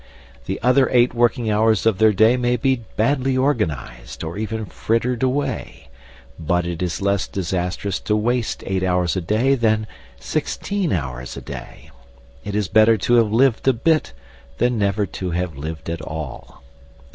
The other eight working hours of their day may be badly organised, or even frittered away; but it is less disastrous to waste eight hours a day than sixteen hours a day; it is better to have lived a bit than never to have lived at all.